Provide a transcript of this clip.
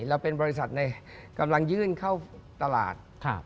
เราเป็นบริษัทในกำลังยื่นเข้าตลาด